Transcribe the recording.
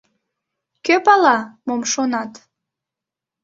— Кӧ пала, мом шонат.